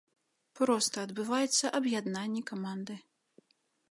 Проста адбываецца аб'яднанне каманды.